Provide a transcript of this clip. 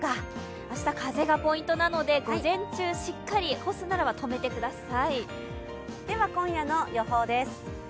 明日、風がポイントなので午前中干すならしっかりとめてください。